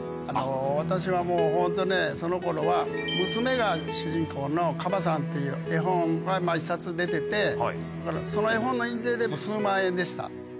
私はもう本当ね、そのころは、娘が主人公のかばさんという絵本が１冊出てて、その絵本の印税、数万円でした。